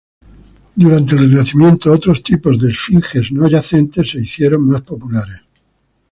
Durante el Renacimiento, otros tipos de efigie no yacentes se hicieron más populares.